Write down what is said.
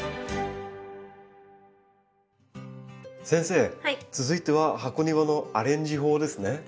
先生続いては箱庭のアレンジ法ですね。